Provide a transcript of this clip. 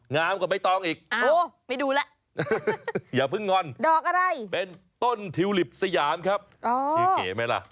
งามกว่าไม่ต้องอีกอย่าเพิ่งง่อนเป็นต้นทิวลิปสยามครับชื่อเก๋ไหมล่ะ